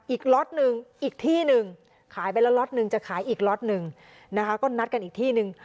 ล็อตหนึ่งอีกที่หนึ่งขายไปแล้วล็อตนึงจะขายอีกล็อตหนึ่งนะคะก็นัดกันอีกที่หนึ่ง